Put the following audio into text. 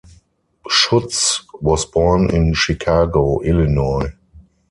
Schutz was born in Chicago, Illinois.